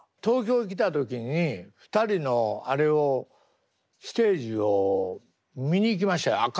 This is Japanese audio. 東京来た時に２人のあれをステージを見に行きましたよ。